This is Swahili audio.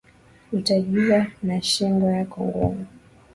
Utajijua na shingo yako ngumu